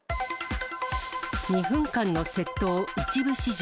２分間の窃盗、一部始終。